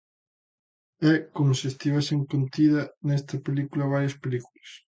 É como se estivesen contida nesta película varias películas.